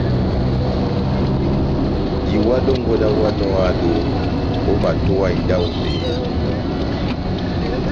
Iwa dɔngɔ dáháwanɔ ó ehádo, omatowa ida ó mbeyá.